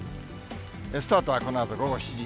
スタートはこのあと午後７時。